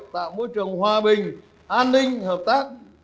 tạo môi trường hòa bình an ninh hợp tác